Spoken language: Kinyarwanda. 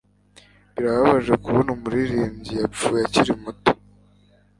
Birababaje kubona umuririmbyi yapfuye akiri muto.